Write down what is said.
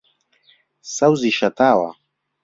سەوزی شەتاوە